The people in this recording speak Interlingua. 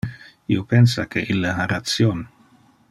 Io pensa que ille ha ration.